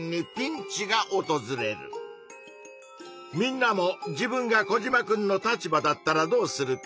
みんなも自分がコジマくんの立場だったらどうするか。